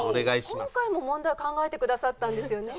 今回も問題を考えてくださったんですよね？